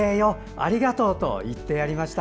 ありがとう！と言ってやりました。